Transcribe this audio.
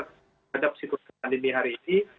terhadap situasi pandemi hari ini